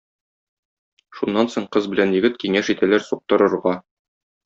Шуннан соң кыз белән егет киңәш итәләр суктырырга.